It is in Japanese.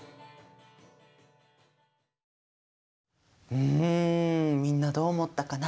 うんみんなどう思ったかな？